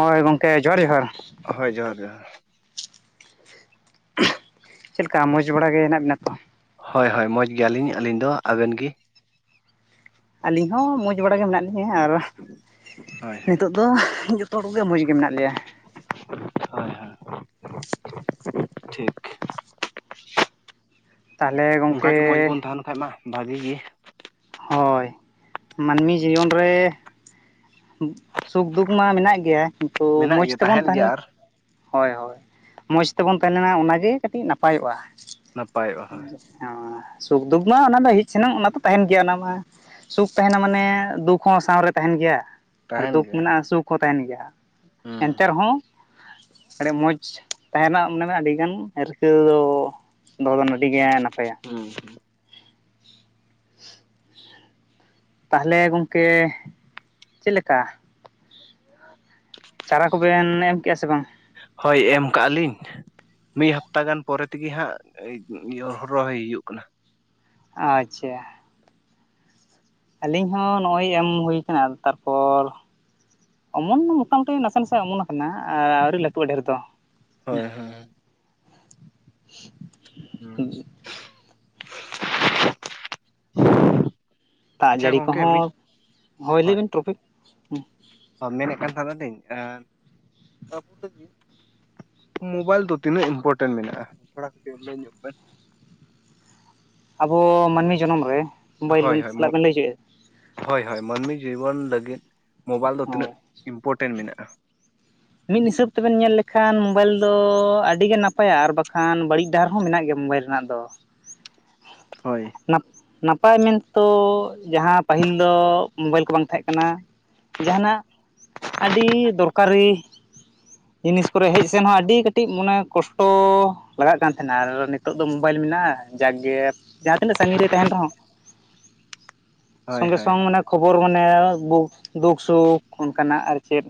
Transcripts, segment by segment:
ᱦᱳᱭ ᱜᱚᱝᱠᱮ ᱡᱚᱦᱟᱨ ᱡᱚᱦᱟᱨ᱾ ᱦᱳᱭ ᱡᱚᱦᱟᱨ ᱡᱚᱦᱟᱨ᱾ [unintelligible] ᱪᱮᱫ ᱞᱮᱠᱟ ᱢᱚᱡᱽ ᱵᱟᱲᱟ ᱜᱮ ᱦᱮᱸᱱᱟᱜ ᱵᱤᱱᱟ ᱛᱚ? ᱦᱳᱭ ᱦᱳᱭ ᱢᱚᱡᱽ ᱜᱮᱭᱟᱞᱤᱧ ᱟᱹᱞᱤᱧ ᱫᱚ ᱟᱵᱮᱱ ᱜᱮ? ᱟᱹᱞᱤᱧ ᱦᱚᱸ ᱢᱚᱸᱡᱽ ᱵᱟᱲᱟ ᱜᱮ ᱢᱮᱱᱟᱜ ᱞᱤᱧ, ᱦᱮ ᱟᱨᱚ ᱦᱳᱭ ᱦᱳᱭ ᱱᱤᱛᱚᱜ ᱫᱚᱻᱦ ᱡᱚᱛᱚ ᱦᱚᱲ ᱠᱚᱜᱮ ᱢᱚᱡᱽ ᱜᱮ ᱢᱮᱱᱟᱜ ᱞᱮᱭᱟ᱾ ᱦᱳᱭ ᱦᱳᱭ [inaudible] [inaudible] ᱴᱷᱤᱠ [inaudible] ᱛᱟᱦᱚᱞᱮ ᱜᱚᱢᱠᱮ ᱚᱸᱠᱟ ᱜᱮ ᱢᱚᱸᱡᱽ ᱵᱚᱱ ᱛᱟᱦᱮᱸᱱ ᱠᱷᱟᱡ ᱢᱟ ᱵᱷᱟᱜᱤ ᱜᱮ, ᱦᱳᱭ ᱢᱟᱹᱱᱢᱤ ᱡᱤᱭᱚᱱ ᱨᱮ ᱥᱩᱠ ᱫᱩᱠ ᱢᱟ ᱢᱮᱱᱟᱜ ᱜᱮᱭᱟ ᱠᱤᱱᱛᱩ ᱢᱮᱱᱟᱜ ᱢᱚᱸᱡᱽ ᱜᱮᱭᱟ ᱛᱮᱵᱚᱱ ᱛᱟᱦᱮᱱ ᱛᱟᱦᱮᱸ ᱜᱮᱭᱟ ᱞᱮᱱ ᱟᱨ ᱦᱳᱭ ᱦᱳᱭ ᱢᱚᱡᱽ ᱛᱮᱵᱚᱱ ᱛᱟᱦᱮᱸ ᱞᱮᱱᱟ ᱚᱱᱟ ᱜᱮ ᱠᱟᱹᱴᱤᱡ ᱱᱟᱯᱟᱭᱚᱜ-ᱟ᱾ ᱱᱟᱯᱟᱭᱚᱜ-ᱟ ᱦᱳᱭ᱾ ᱚ ᱥᱩᱠ ᱫᱩᱠ ᱢᱟ ᱚᱱᱟ ᱫᱚ ᱦᱮᱡ ᱥᱮᱱᱚᱜ ᱚᱱᱟ ᱛᱚ ᱛᱟᱦᱮᱸᱱ ᱜᱮᱭᱟ᱾ ᱚᱱᱟ ᱢᱟ ᱥᱩᱠ ᱛᱟᱦᱮᱸᱱᱟ ᱢᱟᱱᱮ ᱫᱩᱠ ᱦᱚᱸ ᱥᱟᱶᱨᱮ ᱛᱟᱦᱮᱸᱱ ᱜᱮᱭᱟ᱾ ᱟᱨ ᱛᱟᱦᱮᱱ ᱫᱩᱠ ᱜᱮᱭᱟ ᱢᱮᱱᱟᱜ-ᱟ ᱦᱩᱸ ᱥᱩᱠ ᱦᱚᱸ ᱛᱟᱦᱮᱸᱱ ᱜᱮᱭᱟ ᱦᱩᱸ ᱮᱱᱛᱮ ᱨᱮᱦᱚᱸ ᱟᱹᱰᱤ ᱢᱚᱸᱡᱽ ᱛᱟᱦᱮᱸᱱᱟᱜ ᱢᱚᱱᱮᱢᱮ ᱟᱹᱰᱤᱜᱟᱱ ᱨᱤᱠᱟᱹ ᱫᱚ ᱫᱚᱦᱚ ᱫᱚ ᱟᱹᱰᱤ ᱜᱮ ᱱᱟᱯᱟᱭᱟ᱾ ᱦᱩᱸ [unintelligible] ᱛᱟᱦᱚᱞᱮ ᱜᱚᱝᱠᱮ ᱪᱮᱫ ᱞᱮᱠᱟ? [unintelligible] ᱪᱟᱨᱟ ᱠᱚᱵᱮᱱ ᱮᱢ ᱠᱮᱜ-ᱟ ᱥᱮ ᱵᱟᱝ? ᱦᱳᱭ ᱮᱢ ᱠᱟᱜ-ᱟ ᱞᱤᱧ᱾ ᱢᱤᱫ ᱦᱟᱯᱛᱟ ᱜᱟᱱ ᱯᱚᱨᱮ ᱛᱮᱜᱮ ᱦᱟᱸᱜ ᱦᱚᱨᱚᱭ ᱦᱩᱭᱩᱜ ᱠᱟᱱᱟ᱾ ᱟᱪᱪᱷᱟ ᱟᱹᱞᱤᱧ ᱦᱚᱸ ᱱᱚᱜ-ᱚᱭ ᱮᱢ ᱦᱩᱭ ᱠᱟᱱᱟ᱾ ᱟᱫᱚ ᱛᱟᱨᱯᱚᱨ ᱚᱢᱚᱱ ᱢᱟ ᱢᱳᱴᱟᱢᱩᱴᱤ ᱱᱟᱥᱮ ᱱᱟᱥᱮ ᱚᱢᱚᱱ ᱟᱠᱟᱱᱟ ᱟᱹᱣᱨᱤ ᱞᱟᱹᱴᱩᱜ-ᱟ ᱰᱷᱮᱨ ᱫᱚ ᱦᱮᱸ᱾ ᱦᱳᱭ ᱦᱳᱭ ᱦᱩᱸ [unintelligible] [unintelligible] ᱫᱟᱜ ᱡᱟᱹᱲᱤ ᱠᱚᱦᱚᱸ ᱦᱳᱭ ᱞᱟᱹᱭ ᱵᱤᱱ ᱴᱨᱚᱯᱤᱠ᱾ ᱚ ᱢᱮᱱᱮᱫ ᱠᱟᱱ ᱛᱟᱦᱮᱸᱱᱟ ᱞᱤᱧ ᱟᱨ ᱟᱵᱚ ᱫᱚ ᱢᱳᱵᱟᱭᱤᱞ ᱫᱚ ᱛᱤᱱᱟᱹᱜ ᱤᱢᱯᱚᱴᱮᱱᱴ ᱢᱮᱱᱟᱜ-ᱟ ᱛᱷᱚᱲᱟ ᱠᱟᱹᱴᱤᱡ ᱞᱟᱹᱭ ᱧᱚᱜ ᱵᱮᱱ? ᱟᱵᱚ ᱢᱟᱹᱱᱢᱤ ᱡᱚᱱᱚᱢ ᱨᱮ ᱢᱳᱵᱟᱭᱤᱞ, ᱦᱳᱭ ᱦᱳᱭ ᱚᱱᱟ ᱵᱮᱱ ᱞᱟᱹᱭ ᱦᱚᱪᱚᱭᱮᱫ-ᱟ᱾ ᱦᱳᱭ ᱦᱳᱭ ᱢᱟᱹᱱᱢᱤ ᱡᱤᱵᱚᱱ ᱞᱟᱹᱜᱤᱫ ᱢᱳᱵᱟᱭᱤᱞ ᱫᱚ ᱛᱤᱱᱟᱹᱜ ᱦᱳᱭ ᱤᱢᱯᱚᱴᱮᱱ ᱢᱮᱱᱟᱜ-ᱟ᱾ ᱢᱤᱫ ᱦᱤᱥᱟᱹᱵ ᱛᱮᱵᱮᱱ ᱧᱮᱞ ᱞᱮᱠᱷᱟᱱ ᱢᱳᱵᱟᱭᱤᱞ ᱫᱚ ᱟᱹᱰᱤ ᱜᱮ ᱱᱟᱯᱟᱭᱟ ᱟᱨ ᱵᱟᱠᱷᱟᱱ ᱵᱟᱹᱲᱤᱡ ᱰᱟᱦᱟᱨ ᱦᱚᱸ ᱢᱮᱱᱟᱜ ᱜᱮᱭᱟ ᱢᱳᱵᱟᱭᱤᱞ ᱨᱮᱱᱟᱜ ᱫᱚ᱾ ᱚᱻ ᱦᱚᱭ ᱱᱟᱯ ᱱᱟᱯᱟᱭ ᱢᱮᱱ ᱛᱚ ᱡᱟᱦᱟᱸ ᱯᱟᱹᱦᱤᱞ ᱫᱚ ᱢᱳᱵᱟᱭᱤᱞ ᱠᱚ ᱵᱟᱝ ᱛᱟᱦᱮᱸ ᱠᱟᱱᱟ᱾ ᱡᱟᱦᱟᱸᱱᱟᱜ ᱟᱹᱰᱤ ᱫᱚᱨᱠᱟᱨᱤ ᱡᱤᱱᱤᱥ ᱠᱚᱨᱮ ᱦᱮᱡ ᱥᱮᱱ ᱦᱚᱸ ᱟᱹᱰᱤ ᱠᱟᱹᱴᱤᱡ ᱢᱚᱱᱮ ᱠᱚᱥᱴᱚ ᱵᱟᱲᱟᱜ ᱠᱟᱱ ᱛᱟᱦᱮᱸᱱᱟ ᱟᱨ ᱱᱤᱛᱚᱜ ᱫᱚ ᱢᱳᱵᱟᱭᱤᱞ ᱢᱮᱱᱟᱜᱼᱟ᱾ ᱡᱟᱠᱜᱮ ᱡᱟᱦᱟᱸ ᱛᱤᱱᱟᱹᱜ ᱥᱟᱹᱜᱤᱧ ᱨᱮᱭ ᱛᱟᱦᱮᱸᱱ ᱨᱮᱦᱚᱸ [unintelligible] [inaudible] ᱦᱳᱭ ᱥᱚᱝᱜᱮ ᱦᱳᱭ ᱥᱚᱝ ᱢᱟᱱᱮ ᱠᱷᱚᱵᱚᱨ ᱢᱟᱱᱮ ᱫᱩᱠ ᱥᱩᱠ ᱚᱝᱠᱟᱱᱟᱜ ᱟᱨ ᱪᱮᱫ?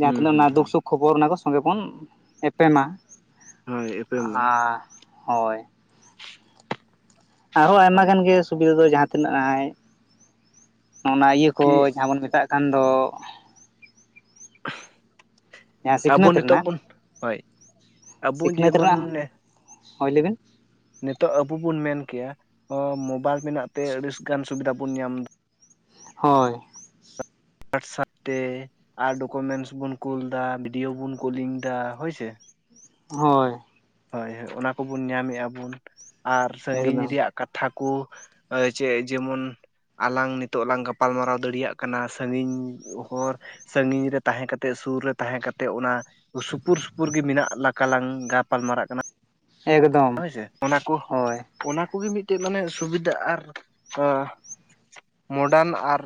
ᱡᱟᱦᱟᱸ ᱦᱩᱸ ᱛᱤᱱᱟᱹᱜ ᱦᱩᱸ ᱚᱱᱟ ᱦᱩᱸ ᱫᱩᱠ ᱥᱩᱠ ᱠᱷᱚᱵᱚᱨ ᱚᱱᱟ ᱫᱚ ᱥᱚᱸᱜᱮ ᱵᱚᱱ ᱮᱯᱮᱢᱟ᱾ ᱦᱳᱭ ᱮᱯᱮᱢ ᱢᱟ ᱟ ᱦᱚᱭ ᱟᱨᱦᱚᱸ ᱟᱭᱢᱟ ᱦᱳᱭ ᱜᱟᱱ ᱜᱮ ᱥᱩᱵᱤᱫᱟ ᱫᱚ ᱡᱟᱦᱟᱸ ᱛᱤᱱᱟᱹᱜ ᱟᱭ ᱚᱱᱟ ᱤᱭᱟᱹ ᱠᱚ ᱠᱤ ᱡᱟᱦᱟᱸ ᱵᱚᱱ ᱢᱮᱛᱟᱜ ᱠᱟᱱ ᱫᱚ᱾ ᱡᱟᱦᱟᱸ ᱟᱵᱚ ᱥᱤᱠᱷᱱᱟᱹᱛ ᱱᱤᱛᱚᱜ ᱨᱮᱱᱟᱜ, ᱵᱚᱱ ᱦᱳᱭ ᱟᱵᱚ ᱥᱤᱠᱷᱱᱟᱹᱛ ᱡᱮᱢᱚᱱ ᱨᱮᱱᱟᱜ ᱦᱳᱭ ᱞᱟᱹᱭᱵᱤᱱ᱾ ᱱᱤᱛᱚᱜ ᱟᱵᱩ ᱵᱚᱱ ᱢᱮᱱ ᱠᱮᱭᱟ ᱢᱳᱵᱟᱭᱤᱞ ᱢᱮᱱᱟᱜ ᱛᱮ ᱟᱹᱰᱤᱥ ᱜᱟᱱ ᱥᱩᱵᱤᱫᱟ ᱵᱚᱱ ᱧᱟᱢ ᱫᱟ᱾ ᱦᱳᱭ ᱦᱳᱭᱟᱴᱥᱟᱯ ᱛᱮ ᱟᱨ ᱰᱚᱠᱚᱢᱮᱱᱥ ᱵᱚᱱ ᱠᱩᱞ ᱫᱟ, ᱵᱷᱤᱰᱤᱭᱳ ᱵᱚᱱ ᱠᱚᱞᱤᱝ ᱫᱟ ᱦᱳᱭᱥᱮ᱾ ᱦᱳᱭ ᱦᱳᱭ ᱦᱳᱭ ᱚᱱᱟ ᱠᱚᱵᱚᱱ ᱧᱟᱢᱮᱜ ᱟᱵᱩᱱ ᱟᱨ ᱥᱟᱹᱜᱤᱧ ᱮᱠᱫᱚᱢ ᱨᱮᱭᱟᱜ ᱠᱟᱛᱷᱟ ᱠᱩ ᱡᱮ ᱡᱮᱢᱩᱱ ᱟᱞᱟᱝ ᱱᱤᱛᱚᱜ ᱞᱟᱝ ᱜᱟᱯᱟᱞᱢᱟᱨᱟᱣ ᱫᱟᱲᱮᱭᱟᱜ ᱠᱟᱱᱟ ᱥᱟᱹᱜᱤᱧ ᱦᱚᱨ ᱥᱟᱹᱜᱤᱧ ᱨᱮ ᱛᱟᱦᱮᱸ ᱠᱟᱛᱮ, ᱥᱩᱨ ᱨᱮ ᱛᱟᱦᱮᱸ ᱠᱟᱛᱮ, ᱚᱱᱟ ᱥᱩᱯᱩᱨ ᱥᱩᱯᱩᱨ ᱜᱮ ᱢᱮᱱᱟᱜ ᱞᱟᱠᱟᱞᱟᱝ ᱯᱟᱞᱢᱟᱨᱟᱜ ᱠᱟᱱᱟ᱾ ᱮᱠᱫᱚᱢ ᱦᱳᱭᱥᱮ ᱚᱱᱟ ᱠᱩ ᱦᱳᱭ ᱚᱱᱟ ᱠᱩᱜᱮ ᱢᱤᱜᱴᱮᱡ ᱢᱟᱱᱮ ᱥᱩᱵᱤᱫᱟ ᱟᱨ ᱢᱳᱰᱟᱱ ᱟᱨ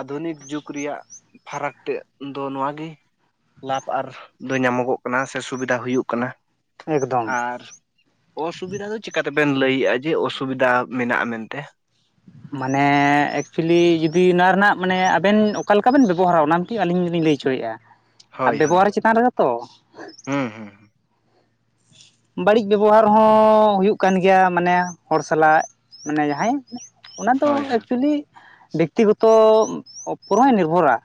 ᱟᱫᱷᱩᱱᱤᱠ ᱡᱩᱜᱽ ᱨᱮᱭᱟᱜ ᱯᱷᱟᱨᱟᱠ ᱛᱮᱜ ᱫᱚ ᱱᱚᱣᱟ ᱜᱤ ᱞᱟᱯᱷ ᱟᱨ ᱫᱚ ᱧᱟᱢᱚᱜᱚᱜ ᱠᱟᱱᱟ ᱥᱮ ᱥᱩᱵᱤᱫᱟ ᱦᱩᱭᱩᱜ ᱠᱟᱱᱟ᱾ ᱮᱠᱫᱚᱢ ᱟᱨ ᱚᱥᱩᱵᱤᱫᱟ ᱫᱚ ᱪᱮᱠᱟᱛᱮᱵᱮᱱ ᱞᱟᱹᱭᱮᱜ-ᱟ? ᱡᱮ ᱚᱥᱩᱵᱤᱫᱟ ᱢᱮᱱᱟᱜ-ᱟ ᱢᱮᱱᱛᱮ? ᱢᱟᱱᱮ ᱮᱠᱪᱩᱭᱮᱞᱤ ᱡᱩᱫᱤ ᱱᱚᱣᱟ ᱨᱮᱱᱟᱜ ᱢᱟᱱᱮ ᱟᱵᱮᱱ ᱚᱠᱟ ᱞᱮᱠᱟ ᱵᱮᱱ ᱵᱮᱵᱚᱦᱟᱨᱟ, ᱚᱱᱟ ᱠᱤᱹ ᱟᱹᱞᱤᱧ ᱫᱩᱞᱤᱧ ᱞᱟᱹᱭ ᱚᱪᱚᱭᱮᱜ-ᱟ, ᱟᱨ ᱦᱳᱭ ᱦᱳᱭ ᱵᱮᱵᱚᱦᱟᱨ ᱪᱮᱛᱟᱱ ᱨᱮᱦᱚ ᱛᱚ ᱦᱩᱸ ᱦᱩᱸ ᱵᱟᱹᱲᱤᱡ ᱵᱮᱵᱚᱦᱟᱨ ᱦᱚᱸ ᱦᱩᱭᱩᱜ ᱠᱟᱱ ᱜᱮᱭᱟ, ᱢᱟᱱᱮ ᱦᱚᱲ ᱥᱟᱞᱟᱜ ᱢᱟᱱᱮ ᱡᱟᱦᱟᱸᱭ ᱚᱱᱟ ᱫᱚ ᱦᱳᱭ ᱦᱳᱭ ᱮᱠᱪᱩᱭᱮᱞᱤ ᱵᱮᱠᱛᱤᱜᱚᱛᱚ ᱩᱯᱚᱨ ᱦᱚᱭ ᱱᱤᱨᱵᱷᱚᱨᱟ᱾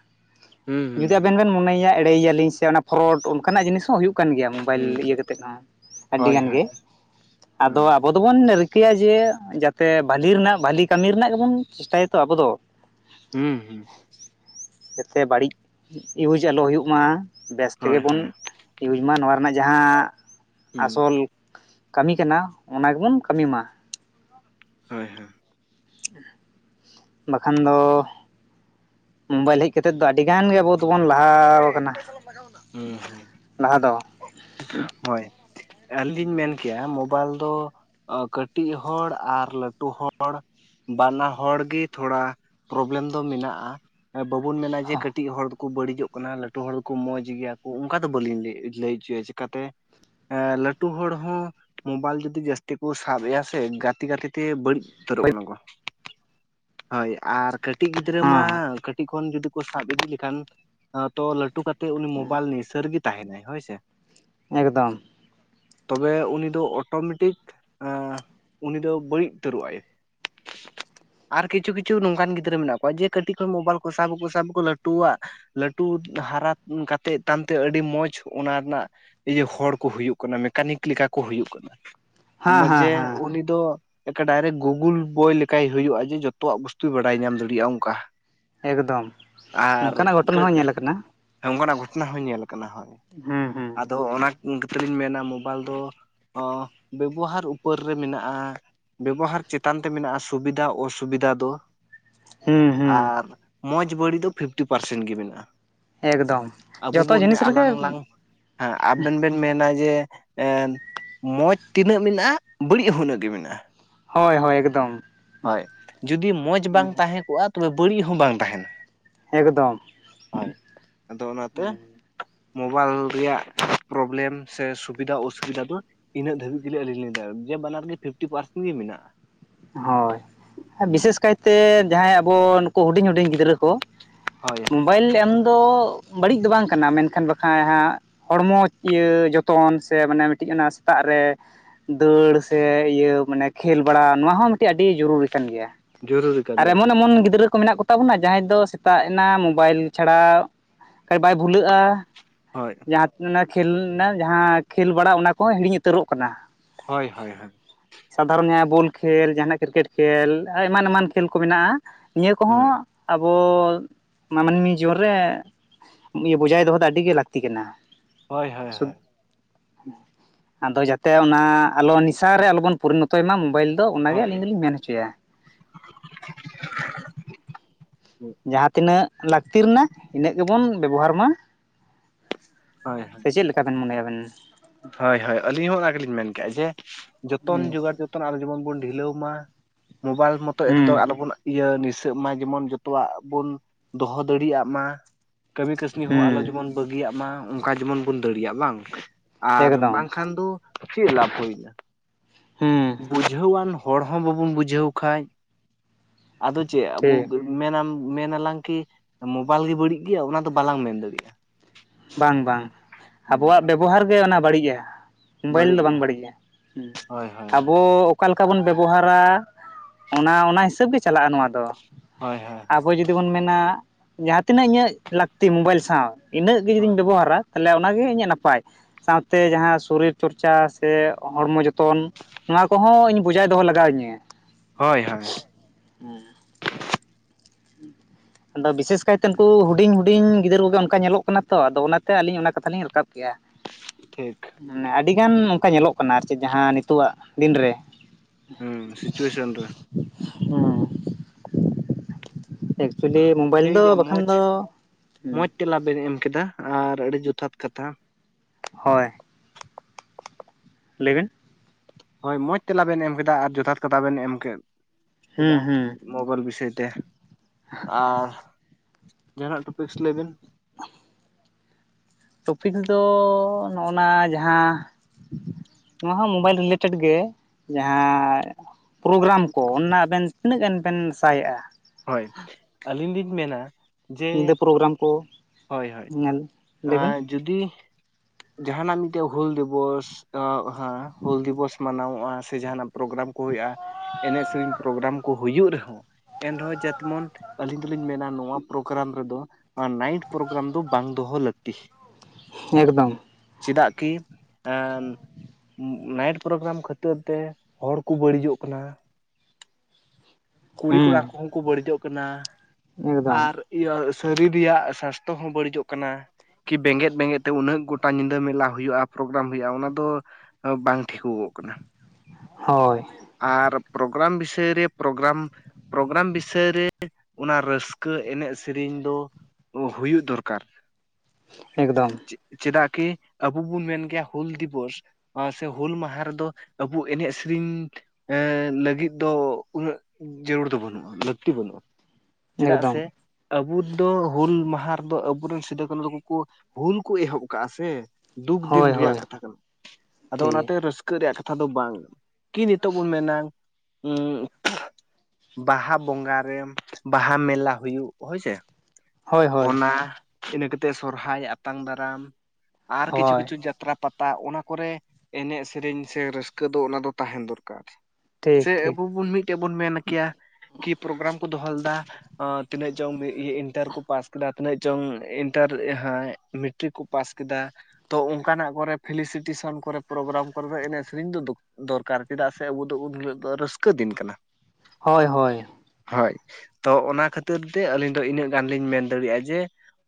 ᱦᱩᱸ ᱦᱩᱸ ᱡᱩᱫᱤ ᱟᱵᱮᱱ ᱦᱩᱸ ᱵᱮᱱ ᱢᱚᱱᱮᱭᱭᱟ ᱮᱲᱮᱭᱟᱞᱤᱧ, ᱥᱮ ᱚᱱᱟ ᱯᱷᱚᱨᱚᱰ ᱚᱱᱠᱟᱱᱟᱜ ᱡᱤᱱᱤᱥ ᱦᱚᱸ ᱦᱩᱭᱩᱜ ᱠᱟᱱ ᱜᱮᱭᱟ ᱢᱳᱵᱟᱭᱤᱞ ᱦᱩᱸ ᱤᱭᱟᱹ ᱠᱟᱛᱮᱫ ᱦᱚᱸ ᱟᱹᱰᱤ ᱦᱳᱭ ᱜᱟᱱ ᱦᱳᱭ ᱜᱮ, ᱦᱩᱸ ᱟᱫᱚ ᱟᱵᱚ ᱫᱚᱵᱚᱱ ᱨᱤᱠᱟᱹᱭᱟ ᱡᱮ ᱡᱟᱛᱮ ᱵᱟᱹᱞᱤ ᱨᱮᱱᱟᱜ, ᱵᱷᱟᱹᱞᱤ ᱠᱟᱹᱢᱤ ᱨᱮᱱᱟᱜ ᱜᱮᱵᱚᱱ ᱪᱮᱥᱴᱟᱭᱟᱛᱚ ᱟᱵᱚ ᱫᱚ᱾ ᱦᱩᱸ ᱦᱩᱸ ᱡᱟᱛᱮ ᱵᱟᱹᱲᱤᱡ ᱤᱭᱩᱡᱽ ᱟᱞᱚ ᱦᱩᱭᱩᱜ ᱢᱟ᱾ ᱵᱮᱥ ᱛᱮᱜᱮ ᱦᱳᱭ ᱵᱚᱱ ᱦᱳᱭ ᱤᱭᱩᱡᱽ ᱢᱟ ᱱᱚᱣᱟ ᱨᱮᱱᱟᱜ ᱡᱟᱦᱟᱸ ᱦᱩᱸ ᱟᱥᱚᱞ ᱠᱟᱹᱢᱤ ᱠᱟᱱᱟ ᱚᱱᱟ ᱜᱮᱵᱚᱱ ᱠᱟᱹᱢᱤ ᱢᱟ᱾ ᱦᱳᱭ ᱦᱳᱭ ᱵᱟᱠᱷᱟᱱ ᱫᱚ ᱢᱳᱵᱟᱭᱤᱞ ᱦᱮᱡ ᱠᱟᱛᱮᱫ ᱫᱚ ᱟᱹᱰᱤ ᱜᱟᱱ ᱜᱮ ᱟᱵᱚ ᱫᱚᱵᱚᱱ ᱞᱟᱦᱟᱣ ᱠᱟᱱᱟ ᱦᱩᱸ ᱦᱩᱸ ᱞᱟᱦᱟ ᱫᱚ᱾ ᱦᱳᱭ ᱟᱹᱞᱤᱧ ᱞᱤᱧ ᱢᱮᱱ ᱠᱮᱜ-ᱟ, ᱢᱚᱵᱟᱭᱤᱞ ᱫᱚ ᱚ ᱠᱟᱹᱴᱤᱜ ᱦᱚᱲ ᱟᱨ ᱞᱟᱹᱴᱩ ᱦᱚᱲ ᱵᱟᱱᱟ ᱦᱚᱲᱜᱤ ᱛᱷᱚᱲᱟ ᱯᱨᱚᱵᱞᱮᱢ ᱫᱚ ᱢᱮᱱᱟᱜ-ᱟ᱾ᱵᱟᱵᱩᱱ ᱢᱮᱱᱟ ᱡᱮ ᱠᱟᱹᱴᱤᱡ ᱦᱚᱲ ᱠᱩ ᱵᱟᱹᱲᱤᱡᱚᱜ ᱠᱟᱱᱟ ᱞᱟᱹᱴᱩ ᱦᱚᱲ ᱫᱚᱠᱚ ᱢᱚᱸᱡᱽ ᱜᱮᱭᱟ ᱠᱩ ᱚᱝᱠᱟ ᱫᱚ ᱵᱟᱹᱞᱤᱧ ᱞᱟᱹᱭ ᱞᱟᱹᱭ ᱪᱚᱭᱟ᱾ ᱪᱮᱠᱟᱛᱮ ᱞᱟᱹᱴᱩ ᱦᱚᱲ ᱦᱚᱸ ᱢᱳᱵᱟᱭᱤᱞ ᱡᱩᱫᱤ ᱡᱟᱹᱥᱛᱤ ᱠᱩ ᱥᱟᱵ ᱮᱜ-ᱟ, ᱥᱮ ᱜᱟᱛᱮ ᱜᱟᱛᱮ ᱛᱮ ᱵᱟᱹᱲᱤᱡ ᱩᱛᱟᱹᱨᱚᱜ ᱦᱮᱸ ᱠᱟᱱᱟ ᱠᱚ᱾ᱦᱳᱭ ᱟᱨ ᱠᱟᱹᱴᱤᱜ ᱜᱤᱫᱽᱨᱟᱹ ᱢᱟ ᱠᱟᱹᱴᱤᱜ ᱠᱷᱚᱱ ᱡᱩᱫᱤ ᱠᱚ ᱥᱟᱵ ᱤᱫᱤ ᱞᱮᱠᱷᱟᱱ ᱛᱚ ᱞᱟᱹᱴᱩ ᱠᱟᱛᱮᱜ ᱩᱱᱤ ᱢᱳᱵᱟᱭᱤᱞ ᱱᱤᱥᱟᱹᱨᱤᱜᱤ ᱛᱟᱦᱮᱸᱱᱟᱭ ᱦᱳᱭᱥᱮ᱾ ᱮᱠᱫᱚᱢ ᱛᱚᱵᱮ ᱩᱱᱤ ᱫᱚ ᱚᱴᱳᱢᱮᱴᱤᱠ ᱩᱱᱤ ᱫᱚ ᱵᱟᱹᱲᱤᱡ ᱩᱛᱟᱹᱨᱚᱜ ᱟᱭ᱾ ᱟᱨ ᱠᱤᱪᱷᱩ ᱠᱤᱪᱷᱩ ᱱᱚᱝᱠᱟᱱ ᱜᱤᱫᱽᱨᱟᱹ ᱢᱮᱱᱟᱜ ᱠᱚᱣᱟ ᱡᱮ ᱠᱟᱹᱴᱤᱡ ᱠᱷᱚᱱ ᱢᱳᱵᱟᱭᱤᱞ ᱠᱚ ᱥᱟᱵᱟᱠᱩ ᱥᱟᱵᱟᱠᱩ ᱞᱟᱹᱴᱩᱣᱟᱜ ᱞᱟᱹᱴᱩ ᱦᱟᱨᱟ ᱠᱟᱛᱮᱫ ᱛᱟᱢᱛᱮ ᱟᱹᱰᱤ ᱢᱚᱸᱡᱽ ᱚᱱᱟ ᱨᱮᱱᱟᱜ ᱤᱭᱟᱹ ᱦᱚᱲ ᱠᱚ ᱦᱩᱭᱩᱜ ᱠᱟᱱᱟ ᱢᱮᱠᱟᱱᱤᱠ ᱞᱮᱠᱟ ᱠᱚ ᱦᱩᱭᱩᱜ ᱠᱟᱱᱟ ᱦᱮᱸ ᱢᱟ ᱦᱮᱸ ᱡᱮ ᱦᱮᱸ ᱩᱱᱤ ᱫᱚ ᱰᱟᱭᱨᱮᱠᱴ ᱜᱩᱜᱩᱞ ᱵᱚᱭ ᱞᱮᱠᱟᱭ ᱦᱩᱭᱩᱜ-ᱟ ᱡᱮ ᱡᱚᱛᱚᱣᱟᱜ ᱵᱩᱥᱛᱩᱭ ᱵᱟᱰᱟᱭ ᱧᱟᱢ ᱫᱟᱲᱮᱭᱟᱜ-ᱟ ᱚᱝᱠᱟ᱾ ᱮᱠᱫᱚᱢ, ᱚᱱᱠᱟᱱᱟᱜ ᱜᱷᱚᱴᱚᱱᱟ ᱦᱚᱸ ᱧᱮᱞ ᱟᱠᱟᱱᱟ᱾ ᱚᱝᱠᱟᱱᱟᱜ ᱜᱷᱚᱴᱚᱱᱟ ᱦᱚᱸ ᱧᱮᱞ ᱠᱟᱱᱟ, ᱦᱳᱭ᱾ ᱦᱮᱸ ᱦᱮᱸ ᱟᱫᱚ ᱚᱱᱟ ᱠᱷᱟᱹᱛᱤᱨᱤᱧ ᱢᱮᱱᱟ ᱢᱚᱵᱟᱭᱤᱞ ᱫᱚ ᱚ ᱵᱮᱵᱚᱦᱟᱨ ᱩᱯᱟᱹᱨ ᱨᱮ ᱢᱮᱱᱟᱜ--ᱟ ᱵᱮᱵᱚᱦᱟᱨ ᱪᱮᱛᱟᱱ ᱛᱮ ᱢᱮᱱᱟᱜ-ᱟ ᱥᱩᱵᱤᱫᱟ ᱚᱥᱩᱵᱤᱫᱟ ᱫᱚ᱾ ᱦᱩᱸ ᱦᱩᱸ ᱟᱨ ᱢᱚᱡᱽ ᱵᱟᱹᱲᱤᱡ ᱫᱚ ᱯᱷᱤᱯᱴᱤ ᱯᱟᱨᱥᱮᱱ ᱜᱮ ᱢᱮᱱᱟᱜ-ᱟ᱾ ᱮᱠᱫᱚᱢ ᱟᱵᱩ ᱡᱚᱛᱚ ᱵᱚᱱ ᱢᱮ ᱡᱤᱱᱤᱥ ᱨᱮᱜᱮ ᱟᱞᱟᱝ ᱞᱟᱝ ᱦᱮᱸ ᱟᱵᱮᱱ ᱵᱮᱱ ᱢᱮᱱ ᱫᱟ ᱡᱮ ᱮᱼᱼ ᱢᱚᱡᱽ ᱛᱤᱱᱟᱹᱜ ᱢᱮᱱᱟᱜᱼᱟ, ᱵᱟᱹᱲᱤᱡ ᱦᱚᱸ ᱩᱱᱟᱹᱜ ᱜᱮ ᱢᱮᱱᱟᱜᱼᱟ ᱾ ᱦᱳᱭ ᱦᱳᱭ ᱮᱠᱫᱚᱢ ᱾ ᱦᱳᱭ, ᱡᱩᱫᱤ ᱢᱚᱡᱽ ᱵᱟᱝ ᱛᱟᱦᱮᱸ ᱠᱚᱜᱼᱟ ᱛᱚᱵᱮ ᱵᱟᱹᱲᱤᱡ ᱦᱚᱸ ᱵᱟᱝ ᱛᱟᱦᱮᱸᱱᱟ ᱾ ᱮᱠᱫᱚᱢ ᱦᱩᱸ ᱢᱚᱵᱟᱭᱤᱞ ᱨᱮᱭᱟᱜ ᱯᱨᱚᱵᱞᱮᱢ ᱥᱮ ᱥᱩᱵᱤᱫᱟ ᱚᱥᱩᱵᱤᱫᱟ ᱫᱚᱼᱼ ᱤᱱᱟᱹᱜ ᱫᱷᱟᱹᱵᱤᱡ ᱜᱮ ᱟᱹᱞᱤᱧ ᱞᱟᱹᱭ ᱫᱟ ᱡᱮ ᱵᱟᱱᱟᱨ ᱜᱮ ᱯᱷᱤᱯᱴᱤ ᱯᱟᱨᱥᱮᱱ ᱜᱨ ᱢᱮᱱᱟᱜᱼᱟ ᱾ ᱦᱳᱭ, ᱵᱤᱥᱮᱥ ᱠᱟᱭ ᱛᱮ ᱡᱟᱦᱟᱸᱭ ᱟᱵᱚᱼᱼ ᱠᱚ ᱦᱩᱰᱤᱧ ᱦᱩᱰᱤᱧ ᱜᱤᱫᱽᱨᱟᱹ ᱠᱚ ᱦᱳᱭ ᱢᱳᱵᱟᱭᱤᱞ ᱮᱢᱼᱼ ᱫᱚ ᱵᱟᱹᱲᱤᱡ ᱫᱚ ᱵᱟᱝ ᱠᱟᱱᱟ ᱢᱮᱱᱠᱷᱟᱱ ᱵᱠᱷᱟᱡ ᱦᱟᱸᱜᱼᱼ ᱦᱚᱲᱢᱚ ᱤᱭᱟᱹ ᱡᱚᱛᱚᱱ ᱥᱮ ᱢᱟᱱᱮ ᱢᱤᱴᱤᱡ ᱚᱱᱟ ᱥᱮᱛᱟᱜ ᱨᱮᱼᱼ ᱫᱟᱹᱲ ᱥᱮ ᱤᱭᱟᱹ ᱢᱟᱱᱮ ᱠᱷᱮᱞ ᱵᱟᱲᱟ ᱱᱚᱣᱟ ᱦᱚᱸ ᱢᱤᱴᱤᱡ ᱟᱹᱰᱤ ᱡᱚᱨᱩᱨᱤ ᱠᱟᱱ ᱜᱨᱭᱟ ᱡᱚᱨᱩᱨᱤ ᱾ ᱠᱟᱱ ᱟᱨ ᱜᱮᱭᱟ ᱮᱢᱚᱱ ᱦᱳᱭ ᱮᱢᱚᱱ ᱜᱤᱫᱽᱨᱟᱹ ᱠᱚ ᱢᱮᱱᱟᱜ ᱠᱚ ᱛᱟᱵᱚᱱᱟ ᱡᱟᱦᱟᱸᱭ ᱫᱚ ᱥᱮᱛᱟᱜ ᱮᱱᱟ ᱢᱳᱵᱟᱭᱤᱞ ᱪᱷᱟᱲᱟ ᱵᱟᱭ ᱵᱷᱩᱞᱟᱹᱜᱼᱟ ᱾ ᱦᱳᱭ ᱡᱟᱦᱟᱸ ᱛᱤᱱᱟᱜ ᱠᱷᱮᱞ ᱱᱟ ᱡᱟᱦᱟᱸ ᱠᱷᱮᱞ ᱵᱟᱲᱟ ᱚᱱᱟ ᱠᱚᱦᱚᱸ ᱦᱤᱲᱤᱧ ᱩᱛᱟᱹᱨᱚᱜ ᱠᱟᱱᱟ᱾ ᱦᱳᱭ ᱦᱳᱭ ᱦᱳᱭ ᱥᱟᱫᱷᱟᱨᱚᱱ ᱡᱟᱦᱟᱸ ᱵᱚᱞ ᱠᱷᱮᱞ ᱡᱟᱦᱟᱱᱟᱜ ᱠᱨᱤᱠᱮᱴ ᱠᱷᱮᱹᱞ ᱮᱢᱟᱱ ᱮᱢᱟᱱ ᱠᱷᱮᱞ ᱠᱚ ᱢᱮᱱᱟᱜᱼᱟ ᱱᱤᱭᱟᱹ ᱠᱚᱦᱚᱸ ᱦᱳᱭ ᱟᱵᱚ ᱢᱟᱹᱱᱢᱤ ᱡᱤᱭᱚᱱ ᱨᱮᱼᱼ ᱤᱭᱟᱹ ᱵᱚᱡᱟᱭ ᱫᱚᱦᱚ ᱫᱚ ᱟᱹᱰᱤ ᱜᱮ ᱞᱟᱹᱠᱛᱤ ᱠᱟᱱᱟ ᱾ ᱦᱳᱭ ᱦᱳᱭ ᱦᱳᱭ ᱟᱫᱚ ᱡᱟᱛᱮ ᱚᱱᱟ ᱟᱞᱚ ᱱᱤᱥᱟ ᱨᱮ ᱟᱞᱚᱵᱚᱱ ᱯᱚᱨᱤᱱᱚᱛᱚᱭ ᱢᱟ ᱢᱳᱵᱟᱭᱤᱞᱼᱼ ᱛᱚ ᱚᱱᱟ ᱜᱮ ᱦᱳᱭ ᱟᱹᱞᱤᱧ ᱫᱚᱞᱤᱧ ᱢᱮᱱ ᱦᱚᱪᱚᱭᱟ ᱾ ᱡᱟᱦᱟᱸ ᱛᱤᱱᱟᱹᱜ ᱞᱟᱹᱠᱛᱤ ᱨᱮᱱᱟᱜ ᱤᱱᱟᱹᱜ ᱜᱮᱵᱚᱱ ᱵᱮᱵᱚᱦᱟᱨ ᱢᱟ ᱾ ᱦᱳᱭ ᱦᱳᱭ ᱥᱮ ᱪᱮᱫ ᱞᱮᱠᱟ ᱵᱮᱱ ᱢᱚᱱᱮᱭᱟ ᱟᱵᱮᱱ? ᱦᱳᱭ ᱦᱳᱭ᱾ ᱟᱹᱞᱤᱧ ᱦᱚᱸ ᱚᱱᱟ ᱜᱮᱞᱤᱧ ᱢᱮᱱ ᱠᱮᱜᱼᱟ ᱡᱮ ᱡᱚᱛᱚᱱ ᱦᱩᱸ ᱡᱚᱜᱟᱲ ᱟᱞᱚ ᱡᱮᱢᱚᱱ ᱵᱚᱱ ᱰᱷᱤᱞᱟᱹᱣ ᱢᱟ ᱢᱳᱵᱟᱭᱤᱞ ᱢᱚᱛᱚᱡ ᱨᱮ ᱫᱚ ᱦᱩᱸ ᱟᱞᱚ ᱵᱚᱱ ᱼᱼ ᱤᱭᱟᱹ ᱱᱤᱥᱟᱹᱜ ᱢᱟ ᱡᱮᱢᱚᱱ ᱡᱚᱛᱚᱣᱟᱜ ᱵᱚᱱ ᱫᱚᱦᱚ ᱫᱟᱹᱲᱤᱭᱟᱜ ᱢᱟ ᱾ ᱠᱟᱹᱢᱤ ᱠᱟᱹᱥᱱᱤ ᱦᱚᱸ ᱟᱞᱚ ᱦᱩᱸ ᱡᱮᱢᱚᱱ ᱵᱟᱹᱜᱤᱭᱟᱜ ᱢᱟ ᱚᱱᱠᱟ ᱡᱮᱢᱚᱱ ᱵᱚᱱ ᱫᱟᱹᱲᱤᱭᱟᱜ ᱵᱟᱝ? ᱟᱨ ᱮᱠᱫᱚᱢ ᱵᱟᱝ ᱠᱷᱟᱱ ᱫᱚ ᱪᱮᱫ ᱞᱟᱵᱷ ᱦᱳᱭ ᱮᱱᱟ? ᱦᱩᱸ ᱵᱩᱡᱷᱟᱹᱣᱟᱱ ᱦᱚᱲ ᱦᱚᱸ ᱵᱟᱵᱚᱱ ᱵᱩᱡᱷᱟᱹᱣ ᱠᱷᱟᱡ ᱾ ᱟᱫᱚ ᱪᱮᱫ ᱟᱵᱚᱼᱼ ᱴᱷᱤᱠ ᱢᱮᱱᱟᱢ ᱢᱮᱱ ᱟᱞᱟᱝ ᱠᱤ ᱢᱳᱵᱟᱭᱤᱞ ᱜᱮ ᱵᱟᱹᱲᱤᱡ ᱜᱮᱭᱟ ᱚᱱᱟ ᱫᱚ ᱵᱟᱞᱟᱝ ᱢᱮᱱ ᱫᱟᱲᱤᱜᱼᱟ ᱾ ᱵᱟᱝ ᱵᱟᱝ ᱟᱵᱚᱣᱟᱜ ᱵᱮᱵᱚᱦᱟᱨ ᱜᱮ ᱚᱱᱟ ᱵᱟᱹᱲᱤᱡᱼᱟ ᱢᱳᱵᱟᱭᱤᱞ ᱵᱟᱹᱲᱤᱡ ᱫᱚ ᱜᱮᱭᱟ ᱵᱟᱝ ᱵᱟᱹᱲᱤᱡᱼᱟ ᱦᱳᱭ ᱦᱳᱭ ᱟᱵᱚ ᱚᱠᱟ ᱞᱮᱠᱟ ᱵᱚᱱ ᱵᱮᱵᱚᱦᱟᱨᱟ ᱚᱱᱟ ᱚᱱᱟ ᱦᱤᱥᱟᱹᱵᱽ ᱜᱮ ᱪᱟᱞᱟᱜᱼᱟ ᱱᱚᱣᱟ ᱫᱚ᱾ ᱦᱳᱭ ᱦᱳᱭ᱾ ᱟᱵᱚ ᱡᱩᱫᱤ ᱵᱚᱱ ᱢᱮᱱᱟ ᱡᱟᱦᱟᱸ ᱛᱤᱱᱟᱹᱜ ᱤᱧᱟᱹᱜ ᱞᱟᱹᱠᱛᱤ ᱢᱳᱵᱟᱭᱤᱞ ᱥᱟᱶ ᱤᱱᱟᱹᱜ ᱜᱮ ᱦᱳᱭ ᱡᱩᱫᱤᱧ ᱵᱮᱵᱚᱦᱟᱨᱟ ᱛᱟᱦᱚᱞᱮ ᱚᱱᱟ ᱜᱮ ᱤᱧᱟᱹᱜ ᱱᱟᱯᱟᱭ ᱥᱟᱶᱛᱮ ᱡᱟᱦᱟᱸ ᱥᱚᱨᱤᱨ ᱪᱚᱨᱪᱟ ᱥᱮ ᱦᱚᱲᱢᱚ ᱡᱚᱛᱚᱱ ᱱᱚᱣᱟ ᱠᱚᱦᱚᱸ ᱤᱧ ᱵᱚᱡᱟᱭ ᱫᱚᱦᱚ ᱞᱟᱜᱟᱣ ᱤᱧᱟᱹ᱾ ᱦᱳᱭ ᱦᱳᱭ᱾ ᱦᱩᱸ [inaudible] ᱟᱫᱚ ᱵᱤᱥᱮᱥ ᱠᱟᱭᱛᱮ ᱩᱱᱠᱩ ᱦᱩᱰᱤᱧ ᱦᱩᱰᱤᱧ ᱜᱤᱫᱟᱹᱨ ᱠᱚᱜᱮ ᱚᱱᱠᱟ ᱧᱮᱞᱚᱜ ᱠᱟᱱᱟ ᱛᱚ ᱟᱫᱚ ᱚᱱᱟᱛᱮ ᱟᱹᱞᱤᱧ ᱚᱱᱟ ᱠᱟᱛᱷᱟ ᱞᱤᱧ ᱨᱟᱠᱟᱵ ᱠᱮᱜᱼᱟ᱾ ᱴᱷᱤᱠ᱾ ᱢᱟᱱᱮ ᱟᱹᱰᱤᱜᱟᱱ ᱚᱱᱠᱟ ᱧᱮᱞᱚᱜ ᱠᱟᱱᱟ ᱟᱨ ᱪᱮᱫ ᱡᱟᱦᱟᱸ ᱱᱤᱛᱳᱜ ᱟᱜ ᱫᱤᱱᱨᱮ᱾ ᱦᱩᱸ ᱥᱤᱪᱩᱭᱮᱥᱚᱱ ᱨᱮ᱾ ᱦᱩᱸ ᱮᱠᱪᱩᱭᱮᱞᱤ ᱢᱳᱵᱟᱭᱤᱞ ᱴᱷᱤᱠ ᱫᱚ ᱜᱮᱭᱟ ᱵᱟᱠᱷᱟᱱ ᱢᱚᱸᱪ ᱫᱚ ᱦᱩᱸ ᱢᱚᱸᱪ ᱛᱮᱞᱟ ᱵᱤᱱ ᱮᱢ ᱠᱮᱫᱟ ᱟᱨ ᱟᱹᱰᱤ ᱡᱚᱛᱷᱟᱛ ᱠᱟᱛᱷᱟ᱾ ᱦᱳᱭ᱾ ᱞᱟᱹᱭ ᱵᱮᱱ᱾ ᱦᱳᱭ ᱢᱚᱸᱡᱽ ᱛᱮᱞᱟ ᱵᱮᱱ ᱮᱢ ᱠᱮᱫᱟ ᱟᱨ ᱡᱚᱛᱷᱟᱛ ᱠᱟᱛᱷᱟ ᱵᱮᱱ ᱮᱢ ᱠᱮᱫ ᱦᱩᱸ ᱠᱮᱫᱟ᱾ ᱦᱩᱸ ᱢᱳᱵᱟᱭᱤᱞ ᱵᱤᱥᱚᱭ ᱛᱮ ᱟᱨ ᱡᱟᱦᱟᱱᱟᱜ ᱴᱚᱯᱤᱠᱥ ᱞᱟᱹᱭᱵᱤᱱ ᱴᱚᱯᱤᱠᱥ ᱫᱚ ᱱᱚᱜᱚᱼᱱᱟ ᱡᱟᱦᱟᱸ ᱱᱚᱣᱟ ᱦᱚᱸ ᱢᱳᱵᱟᱭᱤᱞ ᱨᱤᱞᱮᱴᱮᱰ ᱜᱮ ᱡᱟᱦᱟᱸ ᱯᱨᱳᱜᱨᱟᱢ ᱠᱚ ᱚᱱᱱᱟ ᱟᱵᱮᱱ ᱛᱤᱱᱟᱹᱜ ᱜᱟᱱ ᱵᱮᱱ ᱥᱟᱭᱮᱫᱼᱟ? ᱦᱳᱭ ᱟᱹᱞᱤᱧ ᱞᱤᱧ ᱢᱮᱱᱟ ᱡᱮ ᱧᱤᱫᱟᱹ ᱯᱨᱳᱜᱨᱟᱢ ᱠᱚ ᱦᱳᱭ ᱦᱳᱭ ᱧᱮᱞ ᱞᱟᱹᱭᱵᱮᱱ ᱟ ᱡᱩᱫᱤ ᱡᱟᱦᱟᱱᱟᱜ ᱢᱤᱫᱴᱮᱡ ᱦᱩᱞ ᱫᱤᱵᱚᱥ ᱦᱩᱞ ᱫᱤᱵᱚᱥ ᱢᱟᱱᱟᱣᱚᱜᱼᱟ ᱥᱮ ᱡᱟᱦᱱᱟᱜ ᱯᱨᱳᱜᱨᱟᱢ ᱠᱚ ᱦᱩᱭᱩᱜᱼᱟ ᱮᱱᱮᱡ ᱥᱮᱨᱮᱧ ᱯᱨᱳᱜᱨᱟᱢ ᱠᱚ ᱦᱩᱭᱩᱜ ᱨᱮᱦᱚᱸ ᱮᱱ ᱨᱮᱦᱚᱸ ᱡᱟᱛᱢᱚᱱ ᱟᱹᱞᱤᱧ ᱫᱚᱞᱤᱧ ᱢᱮᱱᱟ ᱱᱚᱣᱟ ᱯᱨᱳᱜᱨᱟᱢ ᱨᱮᱫᱚ ᱱᱟᱭᱤᱴ ᱯᱨᱳᱜᱨᱟᱢ ᱫᱚ ᱵᱟᱝ ᱫᱚᱦᱚ ᱞᱟᱹᱠᱛᱤ᱾ ᱮᱠᱫᱚᱢ᱾ ᱪᱮᱫᱟᱜ ᱠᱤ ᱮ ᱱᱟᱭᱤᱴ ᱯᱨᱳᱜᱨᱟᱢ ᱠᱷᱟᱹᱛᱤᱨ ᱛᱮ ᱦᱚᱲᱠᱚ ᱵᱟᱹᱲᱤᱡᱚᱜ ᱠᱟᱱᱟ᱾ [inaudible] ᱠᱩᱲᱤ ᱠᱚᱲᱟ ᱠᱚᱦᱚᱸ ᱠᱚ ᱵᱟᱹᱲᱤᱡᱚᱜ ᱠᱟᱱᱟ ᱮᱠᱫᱚᱢ ᱟᱨ ᱤᱭᱟᱹ ᱥᱟᱨᱤᱨ ᱨᱮᱭᱟᱜ ᱥᱟᱥᱛᱚ ᱦᱚᱸ ᱵᱟᱹᱲᱤᱡᱚᱜ ᱠᱟᱱᱟ ᱠᱤ ᱵᱮᱸᱜᱮᱫ ᱵᱮᱸᱜᱮᱫ ᱛᱮ ᱩᱱᱟᱹᱜ ᱜᱚ- -ᱴᱟ ᱧᱤᱫᱟᱹ ᱢᱮᱞᱟ ᱦᱩᱭᱩᱜᱼᱟ ᱯᱨᱳᱜᱨᱟᱢ ᱦᱩᱭᱩᱜᱼᱟ ᱚᱱᱟ ᱫᱚ ᱵᱟᱝ ᱴᱷᱤᱠᱚᱜᱚᱜ ᱠᱟᱱᱟ᱾ ᱦᱳᱭ ᱟᱨ ᱯᱨᱳᱜᱨᱟᱢ ᱵᱤᱥᱚᱭ ᱨᱮ ᱯᱨᱳᱜᱨᱟᱢ ᱯᱨᱳᱜᱨᱟᱢ ᱵᱤᱥᱚᱭ ᱨᱮ ᱚᱱᱟ ᱨᱟᱹᱥᱠᱟᱹ ᱮᱱᱮᱡ ᱥᱮᱨᱮᱧ ᱫᱚ ᱚ ᱦᱩᱭᱩᱜ ᱫᱚᱨᱠᱟᱨ᱾ ᱮᱠᱫᱚᱢ ᱪᱮᱫᱟᱜ ᱠᱤ ᱟᱵᱚ ᱵᱚᱱ ᱢᱮᱱ ᱜᱮᱭᱟ ᱦᱩᱞ ᱫᱤᱵᱚᱥ ᱟᱨ ᱥᱮ ᱦᱩᱞ ᱢᱟᱦᱟ ᱨᱮᱫᱚ ᱟᱵᱚ ᱮᱱᱮᱡ ᱥᱮᱨᱮᱧ ᱮᱸ ᱞᱟᱹᱜᱤᱫ ᱫᱚ ᱩᱱᱟᱹᱜ ᱡᱟᱹᱨᱩᱲ ᱫᱚ ᱵᱟᱹᱱᱩᱜᱼᱟ ᱞᱟᱹᱠᱛᱤ ᱵᱟᱹᱱᱩᱜᱼᱟ᱾ ᱪᱮᱫᱟᱜ ᱮᱠᱫᱚᱢ ᱥᱮ ᱟᱵᱩ ᱫᱚ ᱦᱩᱞ ᱢᱟᱦᱟ ᱨᱮᱫᱚ ᱟᱵᱩᱨᱮᱱ ᱥᱤᱫᱩ ᱠᱟᱹᱱᱩ ᱛᱟᱹᱠᱩ ᱠᱚ ᱦᱩᱞ ᱠᱚ ᱮᱦᱚᱵ ᱠᱟᱜᱼᱟ ᱥᱮ᱾ ᱫᱩᱠ ᱫᱤᱱ ᱦᱳᱭ ᱨᱮᱭᱟᱜ ᱦᱳᱭ ᱠᱟᱛᱷᱟ ᱠᱟᱱᱟ ᱟᱫᱚ ᱴᱷᱤᱠ ᱚᱱᱟᱛᱮ ᱨᱟᱹᱥᱠᱟᱹ ᱨᱮᱭᱟᱜ ᱠᱟᱛᱷᱟ ᱫᱚ ᱵᱟᱝ᱾ ᱠᱤ ᱱᱤᱛᱚᱜ ᱵᱚᱱ ᱢᱮᱱᱟ ᱵᱟᱦᱟ ᱵᱚᱸᱜᱟ ᱨᱮ ᱵᱟᱦᱟ ᱢᱮᱞᱟ ᱦᱩᱭᱩᱜ ᱦᱳᱭ ᱥᱮ᱾ ᱦᱳᱭ ᱦᱳᱭ ᱚᱱᱟ ᱤᱱᱟᱹ ᱠᱟᱛᱮ ᱥᱚᱨᱦᱟᱭ ᱟᱛᱟᱝ ᱫᱟᱨᱟᱢ ᱟᱨ ᱠᱤᱪᱷᱩ ᱦᱳᱭ ᱠᱤᱪᱷᱮ ᱡᱟᱛᱨᱟ ᱯᱟ ᱛᱟ ᱚᱱᱟ ᱠᱚᱨᱮ ᱮᱱᱮᱡ ᱥᱮᱨᱮᱧ ᱥᱮ ᱨᱟᱹᱥᱠᱟᱹ ᱫᱚ ᱚᱱᱟ ᱫᱚ ᱛᱟᱦᱮᱱ ᱫᱚᱨᱠᱟᱨ ᱴᱷᱤᱠ ᱥᱮ ᱴᱷᱤᱠ ᱟᱵᱚ ᱵᱚᱱ ᱢᱤᱫᱴᱮᱡ ᱵᱚᱱ ᱢᱮᱱ ᱠᱮᱭᱟ ᱠᱤ ᱯᱨᱳᱜᱨᱟᱢ ᱠᱚ ᱫᱚᱦᱚ ᱞᱮᱫᱟ ᱛᱤᱱᱟᱹᱜ ᱪᱚᱝ ᱤᱱᱴᱟᱨ ᱠᱚ ᱯᱟᱥ ᱠᱮᱫᱟ ᱛᱤᱱᱟᱹᱜ ᱪᱚᱝ ᱤᱱᱴᱟᱨ ᱢᱮᱴᱨᱤᱠ ᱠᱚ ᱯᱟᱥ ᱠᱮᱫᱟ ᱛᱚ ᱚᱸᱠᱟ ᱱᱟᱜ ᱠᱚᱨᱮ ᱯᱷᱤᱞᱤ ᱥᱤᱴᱤᱥᱚᱱ ᱠᱚᱨᱮ ᱯᱨᱳᱜᱨᱟᱢ ᱠᱚᱨᱮ ᱮᱱᱮᱡ ᱥᱮᱨᱮᱧ ᱫᱚ ᱫᱚ- ᱫᱚᱨᱠᱟᱨ ᱪᱮᱫᱟᱜ ᱥᱮ ᱟᱵᱚ ᱫᱚ ᱩᱱ ᱦᱤᱞᱳᱜ ᱫᱚ ᱨᱟᱹᱥᱠᱟᱹ ᱫᱤᱱ ᱠᱟᱱᱟ᱾ ᱦᱳᱭ ᱦᱳᱭ᱾ ᱦᱳᱭ, ᱛᱚ ᱚᱱᱟ ᱠᱷᱟᱹᱛᱤᱨ ᱛᱮ ᱟᱹᱞᱤᱧ ᱫᱚ ᱤᱱᱟᱹᱜ ᱜᱟᱱ ᱞᱤᱧ ᱢᱮᱱ ᱫᱟᱲᱤᱜᱼᱟ ᱡᱮ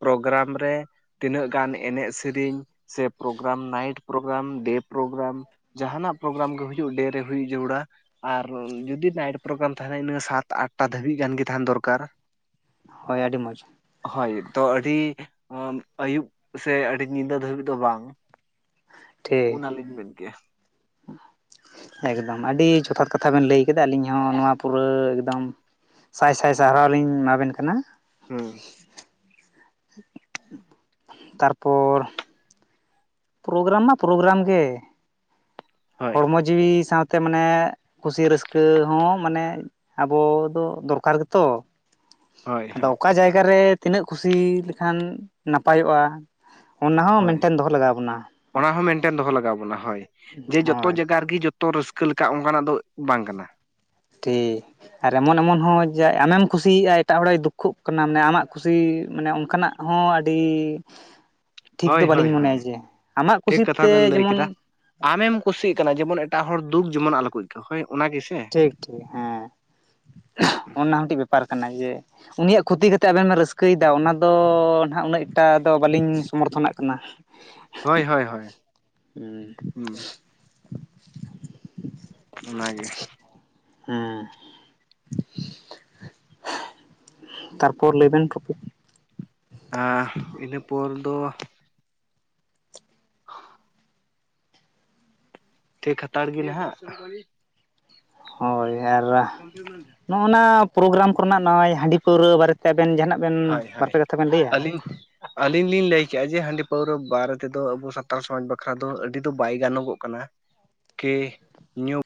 ᱯᱨᱳᱜᱨᱟᱢ ᱨᱮ ᱛᱤᱱᱟᱹᱜ ᱜᱟᱱ ᱮᱱᱮᱜ ᱥᱮᱨᱮᱧ ᱥᱮ programme night programme day programme ᱡᱟᱦᱟᱸᱱᱟᱜ ᱯᱨᱳᱜᱨᱟᱢ ᱜᱮ ᱦᱩᱭᱩᱜᱼᱟ ᱰᱮ ᱨᱮ ᱦᱩᱭᱩᱜ ᱡᱟᱹᱨᱩᱲᱟ, ᱟᱨᱻᱨ ᱡᱩᱫᱤ ᱱᱟᱹᱭᱤᱴ ᱯᱨᱳᱜᱨᱟᱢ ᱛᱟᱦᱮᱸᱱᱟ ᱤᱱᱟᱹ ᱥᱟᱛ ᱟᱴ ᱴᱟ ᱫᱷᱟᱹᱵᱤᱡ ᱜᱟᱱ ᱜᱮ ᱛᱟᱦᱮᱸᱱ ᱫᱚᱨᱠᱟᱨ᱾ ᱦᱳᱭ ᱟᱹᱰᱤ ᱢᱚᱡᱽ᱾ ᱦᱳᱭ ᱛᱚ ᱟᱹᱰᱤ ᱦᱚᱸ ᱟᱹᱭᱩᱵ ᱥᱮ ᱟᱹᱰᱤ ᱧᱤᱫᱟᱹ ᱫᱷᱟᱹᱵᱤᱡ ᱫᱚ ᱵᱟᱝ, ᱴᱷᱤᱠ ᱚᱱᱟ ᱞᱤᱧ ᱢᱮᱱ ᱠᱮᱜᱼᱟ᱾ ᱮᱠᱫᱚᱢ ᱟᱹᱰᱤ ᱡᱚᱛᱷᱟᱛ ᱠᱟᱛᱷᱟ ᱵᱤᱱ ᱞᱟᱹᱭ ᱠᱮᱫᱟ ᱟᱹᱞᱤᱧ ᱦᱚᱸ ᱱᱚᱣᱟ ᱯᱩᱨᱟᱹ ᱮᱠᱫᱚᱢ ᱥᱟᱭ ᱥᱟᱭ ᱥᱟᱦᱨᱟᱣ ᱞᱤᱧ ᱮᱢᱟ ᱵᱤᱱ ᱠᱟᱱᱟ, ᱦᱩᱸ, [unintelligible] ᱛᱟᱨᱯᱚᱨ ᱯᱨᱳᱜᱨᱟᱢ ᱢᱟ ᱯᱨᱳᱜᱨᱟᱢ ᱜᱮ ᱦᱳᱭ ᱦᱚᱲᱢᱚᱡ ᱡᱤᱣᱤ ᱥᱟᱶᱛᱮ ᱢᱟᱱᱮᱻᱜ ᱠᱩᱥᱤ ᱨᱟᱹᱥᱠᱟᱹ ᱦᱚᱸ ᱢᱟᱱᱮᱻᱜ ᱟᱵᱚ ᱫᱚ ᱫᱚᱨᱠᱟᱨ ᱜᱮᱛᱚ᱾ ᱦᱳᱭ ᱟᱫᱚ ᱦᱳᱭ ᱚᱠᱟ ᱡᱟᱭᱜᱟ ᱨᱮ ᱛᱤᱱᱟᱹᱜ ᱠᱩᱥᱤ ᱞᱮᱠᱷᱟᱱ ᱱᱟᱯᱟᱭᱚᱜᱼᱟ, ᱚᱱᱟ ᱦᱚᱸ ᱦᱳᱭ ᱢᱮᱱᱴᱮᱸᱱ ᱫᱚᱦᱚ ᱞᱟᱜᱟᱣ- ᱵᱚᱱᱟ ᱚᱱᱟ ᱦᱚᱸ ᱢᱮᱱᱴᱮᱱ ᱫᱚᱦᱚ ᱞᱟᱜᱟᱣ ᱟᱵᱚᱱᱟ ᱦᱳᱭ, ᱡᱮ ᱡᱚᱛᱚ ᱦᱳᱭ ᱡᱟᱜᱟ ᱨᱮᱜᱮ ᱡᱚᱛ- ᱛᱚ ᱨᱟᱹᱥᱠᱟᱹ ᱞᱮᱠᱟ ᱚᱸᱠᱟᱱᱟᱜ ᱫᱚ ᱵᱟᱝ ᱠᱟᱱᱟ᱾ ᱴᱤ, ᱟᱨ ᱮᱢᱚᱱ ᱮᱢᱚᱱ ᱦᱚᱸ ᱡᱟ ᱟᱢᱮᱢ ᱠᱩᱥᱤᱭᱟᱜᱼᱟ ᱮᱴᱟᱜ ᱦᱚᱲᱮ ᱫᱩᱠᱷᱩᱜ ᱠᱟᱱᱟ ᱢᱟᱱᱮ ᱟᱢᱟᱜ ᱠᱩᱥᱤ ᱢᱟᱱᱮ ᱚᱱᱠᱟᱱᱟᱜ ᱦᱚᱸ ᱟᱹᱰᱤ ᱴᱷᱤᱠ ᱫᱚ ᱦᱳᱭ ᱦᱳᱭ ᱵᱟᱹᱞᱤᱧ ᱦᱳᱭ ᱢᱚᱱᱮᱭᱟ, ᱡᱮ ᱟᱢᱟᱜ ᱴᱷᱤᱠ ᱠᱩᱥᱤ ᱠᱟᱛᱷᱟ ᱛᱮ ᱵᱮᱱ ᱞᱟᱹᱭ ᱡᱮᱢᱚᱱ ᱠᱮᱫᱟ ᱟᱢᱮᱢ ᱠᱩᱥᱤᱜ ᱠᱟᱱᱟ ᱡᱮᱢᱚᱱ ᱮᱴᱟᱜ ᱦᱚᱲ ᱫᱩᱠᱷ ᱡᱮᱢᱚᱱ ᱟᱞᱚ ᱠᱚ ᱟᱹᱭᱠᱟᱣ᱾ ᱦᱳᱭ ᱚᱱᱟ ᱜᱮᱥᱮ? ᱴᱷᱤᱠ ᱴᱷᱤᱠ ᱦᱮᱸ [unintelligible] ᱚᱱᱟ ᱦᱚᱸ ᱢᱤᱫ ᱴᱤᱡ ᱵᱮᱯᱟᱨ ᱠᱟᱱᱟ, ᱡᱮ ᱩᱱᱤᱭᱟᱜ ᱠᱷᱩᱛᱤ ᱠᱟᱛᱮ ᱟᱵᱮᱱ ᱵᱮᱱ ᱨᱟᱹᱥᱠᱟᱹᱭᱮᱫᱟ ᱚᱱᱟ ᱫᱚ ᱱᱷᱟᱸᱜ ᱩᱱᱟᱹᱜ ᱮᱴᱟ ᱫᱚ ᱵᱟᱹᱞᱤᱧ ᱥᱚᱢᱚᱨᱛᱷᱚᱱᱟᱜ ᱠᱟᱱᱟ᱾ ᱦᱮᱸ, ᱦᱳᱭ ᱦᱳᱭ ᱦᱳᱭ᱾ ᱦᱩᱸ [unintelligible] ᱚᱱᱟ ᱜᱮ, ᱦᱮᱸ, [unintelligible] ᱛᱟᱨᱯᱚᱨ ᱞᱟᱹᱭ ᱵᱤᱱ ᱯᱷᱩᱠᱤ ᱟᱸᱦ ᱟᱨ ᱤᱱᱟᱹ ᱯᱚᱨ ᱫᱚ [inaudible] ᱴᱷᱤᱠ ᱦᱟᱛᱟᱲ ᱜᱮ ᱱᱷᱟᱸᱜ, ᱦᱳᱭ ᱟᱨ ᱱᱚᱜᱼᱱᱟ ᱯᱨᱳᱜᱨᱟᱢ ᱠᱚᱨᱮᱱᱟᱜ ᱱᱚᱜᱼᱚᱭ ᱦᱟᱺᱰᱤ ᱯᱟᱹᱣᱨᱟᱹ ᱵᱟᱨᱮᱛᱮ ᱟᱵᱮᱱ ᱡᱟᱦᱟᱸᱱᱟᱜ ᱵᱮᱱ ᱵᱟᱨ ᱯᱮ ᱠᱟᱛᱷᱟ ᱵᱮᱱ ᱞᱟᱹᱭᱼᱟ? ᱟᱞᱤᱧ ᱞᱤᱧ ᱞᱟᱹᱭ ᱠᱮᱜᱼᱟ ᱡᱮ ᱦᱟᱺᱰᱤ ᱯᱟᱹᱣᱨᱟᱹ ᱵᱟᱨᱮ ᱛᱮᱫᱚ ᱟᱹᱵᱩ ᱥᱟᱱᱛᱟᱲ ᱥᱚᱢᱟᱡᱽ ᱵᱟᱠᱷᱨᱟ ᱫᱚ ᱟᱹᱰᱤ ᱫᱚ ᱵᱟᱭ ᱜᱟᱱᱚᱜᱚᱜ ᱠᱟᱱᱟ᱾ ᱠᱤ ᱧᱩᱸ,